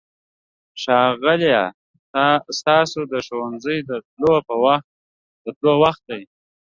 ښاغلیه! ستاسو د ښوونځي د تلو وخت دی.